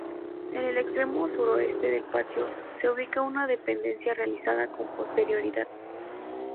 En el extremo suroeste del patio se ubica una dependencia, realizada con posterioridad.